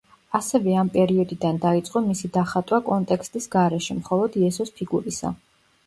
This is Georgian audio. ასევე ამ პერიოდიდან დაიწყო მისი დახატვა კონტექსტის გარეშე, მხოლოდ იესოს ფიგურისა.